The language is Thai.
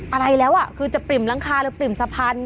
อะไรแล้วอ่ะคือจะปริ่มรังคาแล้วปริ่มสะพาน